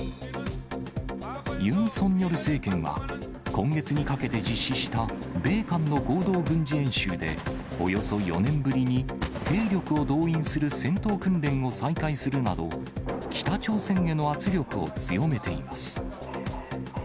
ユン・ソンニョル政権は、今月にかけて実施した米韓の合同軍事演習で、およそ４年ぶりに兵力を動員する戦闘訓練を再開するなど、北朝鮮への圧力を強めています。